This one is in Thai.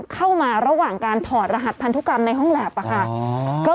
เข้ามาระหว่างการถอดรหัสพันธุกรรมในห้องแล็บค่ะ